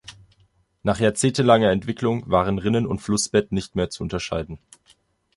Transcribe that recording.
Nach jahrzehntelanger Entwicklung waren Rinnen und Flussbett nicht mehr zu unterscheiden.